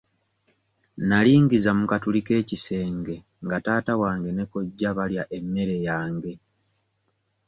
Nalingiza mu katuli k'ekisenge nga taata wange ne kojja balya emmere yange.